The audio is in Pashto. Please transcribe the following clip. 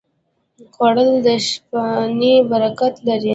خوړل د شپهنۍ برکت لري